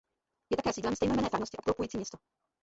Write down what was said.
Je také sídlem stejnojmenné farnosti obklopující město.